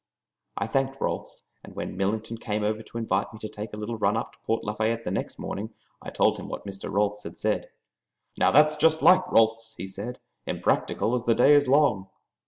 I thanked Rolfs, and when Millington came over to invite me to take a little run up to Port Lafayette the next morning I told him what Mr. Rolfs had said. "Now that is just like Rolfs," he said, "impractical as the day is long.